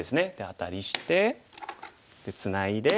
アタリしてツナいで。